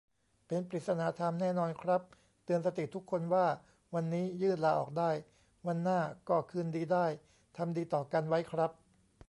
เป็นปริศนาธรรมแน่นอนครับ เตือนสติทุกคนว่าวันนี้ยื่นลาออกได้ วันหน้าก็คืนดีได้ ทำดีต่อกันไว้ครับ